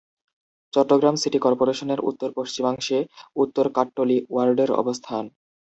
Chittagong city কর্পোরেশনের উত্তর-পশ্চিমাংশে উত্তর কাট্টলী ওয়ার্ডের অবস্থান।